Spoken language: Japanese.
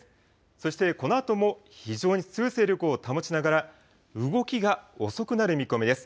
そして、このあとも非常に強い勢力を保ちながら動きが遅くなる見込みです。